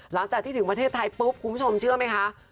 หลังจากที่ถึงประเทศไทยปุ๊บคุณผู้ชมเชื่อไหมคะ